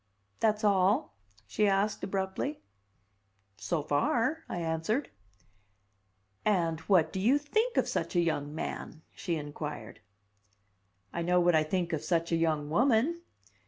"That's all?" she asked abruptly. "So far," I answered. "And what do you think of such a young man?" she inquired. "I know what I think of such a young woman."